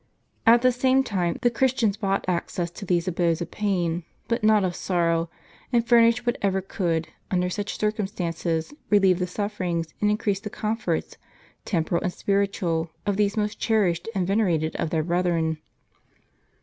* At the same time the Christians bought access to these abodes of pain, but not of sorrow, and furnished whatever could, under such circumstances, relieve the sufferings and increase the comforts, temporal and spiritual, of these most cherished and venerated of their brethren.